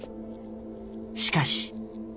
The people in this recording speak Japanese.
しかし。